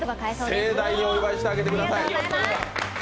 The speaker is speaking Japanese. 盛大にお祝いしてあげてください。